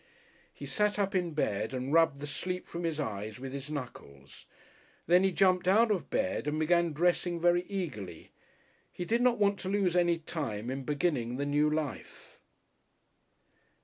He sat up in bed and rubbed the sleep from his eyes with his knuckles. Then he jumped out of bed and began dressing very eagerly. He did not want to lose any time in beginning the new life.